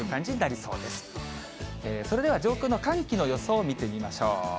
それでは上空の寒気の予想を見てみましょう。